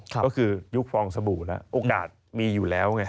ก็คือยุคฟองสบู่แล้วโอกาสมีอยู่แล้วไง